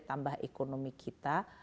tambah ekonomi kita